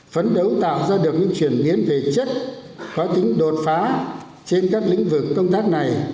phấn đấu tạo ra được những chuyển biến về chất có tính đột phá trên các lĩnh vực công tác này